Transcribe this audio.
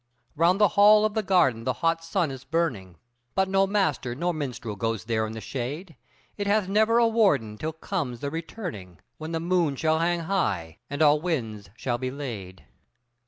Round the hall of the Garden the hot sun is burning, But no master nor minstrel goes there in the shade, It hath never a warden till comes the returning, When the moon shall hang high and all winds shall be laid.